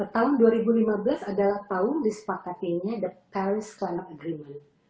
tahun dua ribu lima belas adalah tahun disepakatinya the paris clima agreement